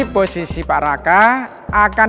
posisi pak raka akan